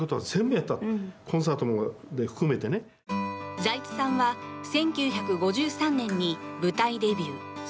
財津さんは１９５３年に舞台デビュー。